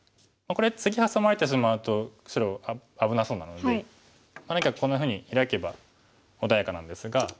これ次ハサまれてしまうと危なそうなので何かこんなふうにヒラけば穏やかなんですが。